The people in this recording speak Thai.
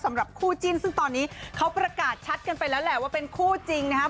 สำหรับคู่จิ้นซึ่งตอนนี้เขาประกาศชัดกันไปแล้วแหละว่าเป็นคู่จริงนะครับ